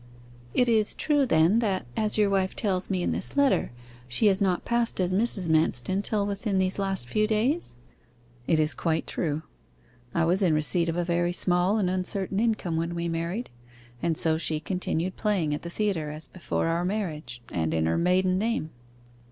'It is true then that, as your wife tells me in this letter, she has not passed as Mrs. Manston till within these last few days?' 'It is quite true; I was in receipt of a very small and uncertain income when we married; and so she continued playing at the theatre as before our marriage, and in her maiden name.